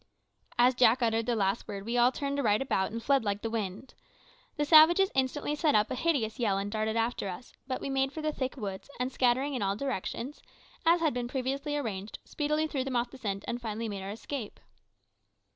As Jack uttered the last word we all turned right about and fled like the wind. The savages instantly set up a hideous yell, and darted after us; but we made for the thick woods, and scattering in all directions, as had been previously arranged, speedily threw them off the scent, and finally made our escape.